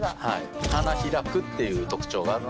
花開くっていう特徴があるのが４７。